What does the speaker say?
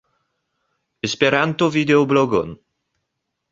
Esperanto-videoblogon